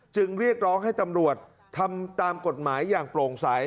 เรียกร้องให้ตำรวจทำตามกฎหมายอย่างโปร่งใส